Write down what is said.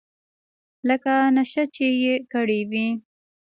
لکه نېشه چې يې کړې وي.